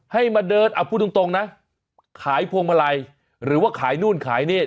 ให้มาเดินพูดตรงนะขายพวงมาลัยหรือว่าขายนู่นขายนี่